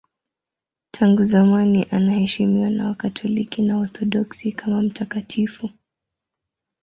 Tangu zamani anaheshimiwa na Wakatoliki na Waorthodoksi kama mtakatifu.